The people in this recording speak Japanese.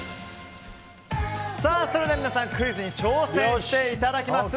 それでは皆さんクイズに挑戦していただきます。